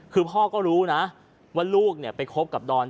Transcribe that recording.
คือพ่อก็รู้นะว่าลูกไปคบกับดอน